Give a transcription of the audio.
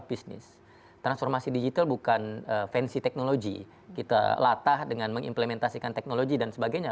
kita bisnis transformasi digital bukan fancy technology kita latah dengan mengimplementasikan teknologi dan sebagainya